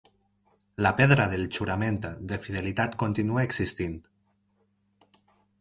La pedra del jurament de fidelitat continua existint.